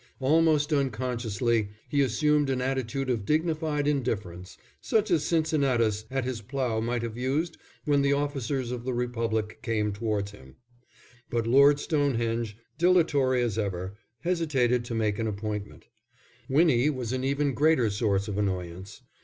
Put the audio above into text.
Almost unconsciously he assumed an attitude of dignified indifference, such as Cincinnatus at his plough might have used when the officers of the Republic came towards him. But Lord Stonehenge, dilatory as ever, hesitated to make an appointment. Winnie was an even greater source of annoyance.